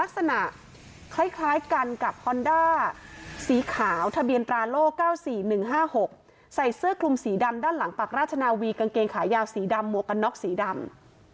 ๑๕๖ใส่เสื้อคลุมสีดำด้านหลังปากราชนาวีกางเกงขายาวสีดำมวกกันน็อกสีดำ